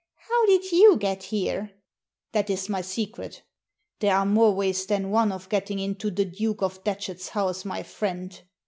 " How did you get here ?" "That is my secret There are more ways than one of getting into the Duke of Datchet's house, my friend."